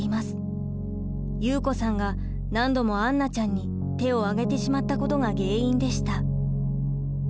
祐子さんが何度も杏奈ちゃんに手を上げてしまったことが原因でした。